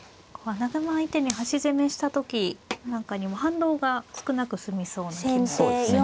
穴熊相手に端攻めした時なんかにも反動が少なく済みそうな気もしますね。